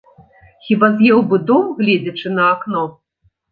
Хіба з'еў бы дом, гледзячы на акно?